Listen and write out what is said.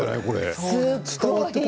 これ。